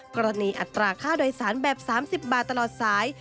กรณีอัตราค่าโดยสารแบบ๓๐บาทตลอดสาย